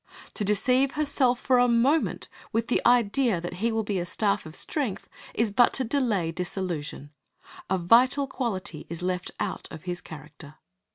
To deceive herself for a moment with the idea that he will be a staff of strength, is but to delay disillusion. A vital quality is left out of his character.